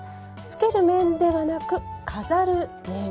つける面ではなく、飾る面。